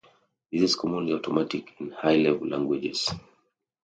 This is commonly automatic in high level languages.